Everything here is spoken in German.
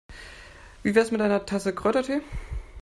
Wie wär's mit einer Tasse Kräutertee?